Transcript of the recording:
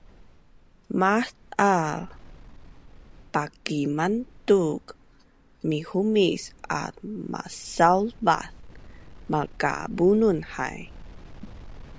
Maaz a pakimantuk mihumis at masaulvaz malkabunun hai